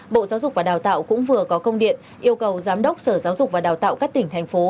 bộ giáo dục và đào tạo cũng vừa có công điện yêu cầu giám đốc sở giáo dục và đào tạo các tỉnh thành phố